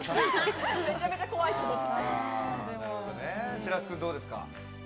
白洲君どうですか？